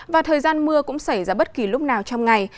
và thời gian mưa cũng xảy ra bất kỳ lúc nào trong ngày